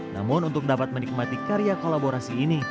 namun untuk dapat menikmati karya kolaborasi ini